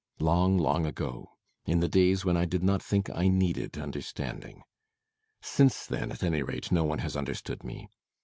Long, long ago. In the days when I did not think I needed understanding. Since then, at any rate, no one has understood me!